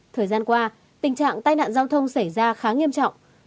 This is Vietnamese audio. thời gian qua tình trạng tai nạn giao thông xảy ra khá nghiêm trọng